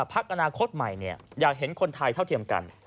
พักอนาคตใหม่อยากเห็นคนไทยเท่าเทียมกัน